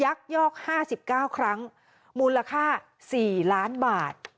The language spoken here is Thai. ยักษ์ยอก๕๙ครั้งมูลค่า๔๐๐๐๐๐๐บาท